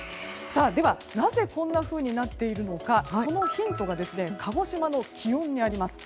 ではなぜこんなふうになっているのかそのヒントが鹿児島の気温にあります。